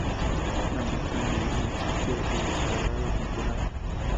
La montaña es un sitio de escalada popular.